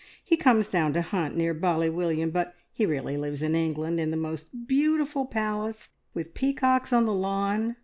He comes down to hunt near Bally William, but he really lives in England, in the most beautiful palace, with peacocks on the lawn.